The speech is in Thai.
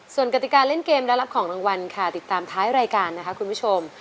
ส่วนกติการเล่นเกมและรับของรางวัลค่ะติดตามท้ายรายการนะคะคุณผู้ชม